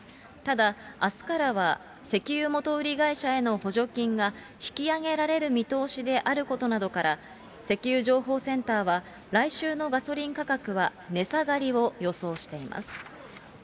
ただ、あすからは石油元売り会社への補助金が、引き上げられる見通しであることなどから、石油情報センターは、来週のガソリン価格は値下がりを予想しています。